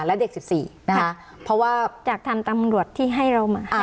และเด็กสิบสี่นะคะเพราะว่าจากทางตำรวจที่ให้เรามาอ่า